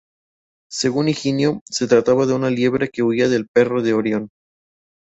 Según Higino, se trataba de una liebre que huía del perro de Orión.